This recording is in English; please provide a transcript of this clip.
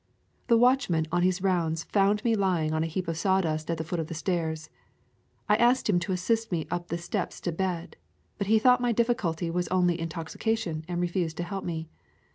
The watchman on his rounds found me lying on a heap of sawdust at the foot of the stairs. I asked him to assist me up the steps to bed, but he thought my difficulty was only intoxica tion and refused to help me.